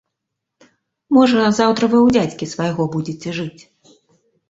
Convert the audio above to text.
Можа, заўтра вы ў дзядзькі свайго будзеце жыць!